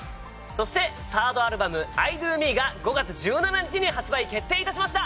そしてサードアルバム『ｉＤＯＭＥ』が５月１７日に発売決定致しました！